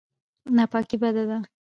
ناپاکي بده ده.